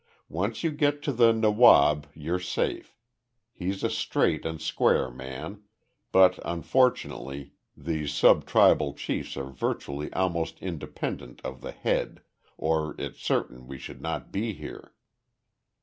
Once you get to the Nawab you're safe. He's a straight and square man, but unfortunately, these sub tribal chiefs are virtually almost independent of the head, or it's certain we should not be here."